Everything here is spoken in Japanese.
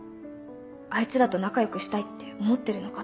「あいつらと仲良くしたいって思ってるのか？」